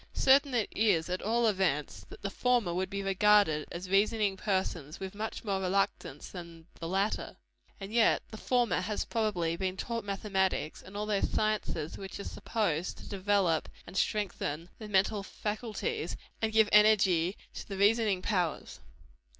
Certain it is, at all events, that the former would be regarded as reasoning persons with much more reluctance than the latter. And yet the former has probably been taught mathematics, and all those sciences which are supposed to develope and strengthen the mental faculties, and give energy to the reasoning powers.